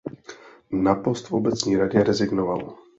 Na post v obecní radě rezignoval.